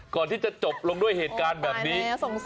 ก่อนที่จะจบลงด้วยเหตุการณ์แบบนี้